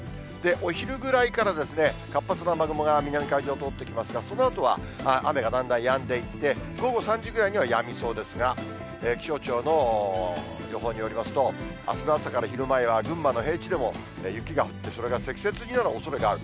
お昼ぐらいから活発な雨雲が南の海上を通ってきますが、そのあとは、雨がだんだんやんでいって、午後３時ぐらいにはやみそうですが、気象庁の予報によりますと、あすの朝から昼前は、群馬の平地でも雪が降って、それが積雪になるおそれがある。